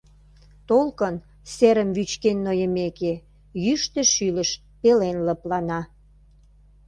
Толкын, серым вӱчкен нойымеке, Йӱштӧ шӱлыш пелен лыплана.